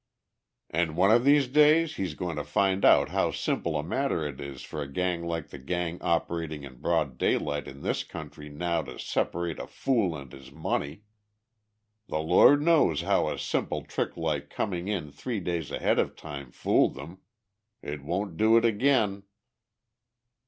"And one of these days he's going to find out how simple a matter it is for a gang like the gang operating in broad daylight in this country now to separate a fool and his money! The Lord knows how a simple trick like coming in three days ahead of time fooled them. It won't do it again."